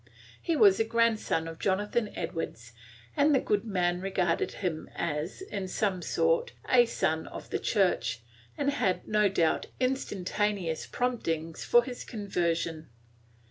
He was a grandson of Jonathan Edwards, and the good man regarded him as, in some sort, a son of the Church, and had, no doubt, instantaneous promptings for his conversion.